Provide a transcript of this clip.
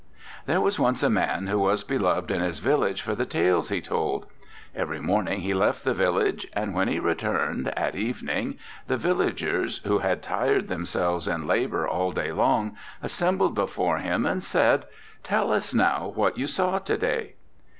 "There was once a man who was be loved in his village for the tales he told. Every morning he left the village, and when he returned, at evening, the vil lagers, who had tired themselves in labor all day long, assembled before him and said, Tell us, now, what you saw to day!